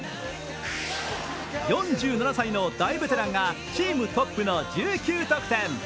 ４７歳の大ベテランがチームトップの１９得点。